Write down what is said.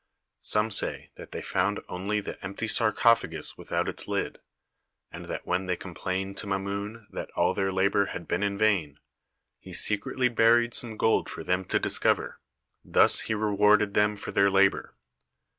Some say that they found only the empty sarcophagus without its lid, and that when they complained to Mamun that all their labour had been in vain, he secretly buried some gold for them to discover. Thus he rewarded them for their labour.